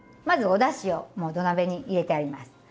まずおだしをもう土鍋に入れてあります。